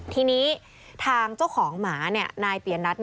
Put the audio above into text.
ทีนี้ทางเจ้าของหมานายเปียนัท